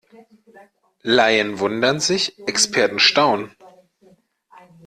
Laien wundern sich, Experten staunen.